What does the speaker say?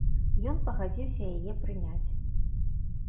Ён пагадзіўся яе прыняць.